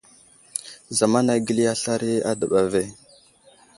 Zamana gəli aslaray a dəɓa ve.